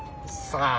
さあ？